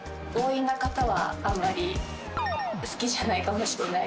強引な方はあまり好きじゃないかも。